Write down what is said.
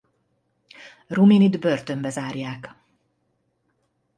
Ruminit börtönbe zárják.